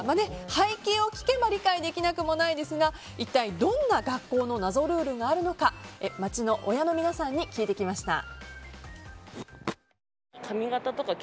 背景を聞けば理解できなくもないですが一体どんな学校の謎ルールがあるのか街の親の皆さんに聞いてきました。